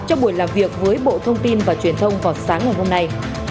trong buổi làm việc với bộ thông tin và truyền thông vào sáng ngày hôm nay